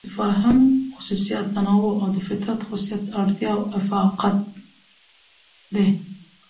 د فرهنګ خصوصيت تنوع او د فطرت خصوصيت اړتيا او اۤفاقيت دى.